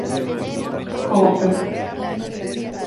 Con el Prof.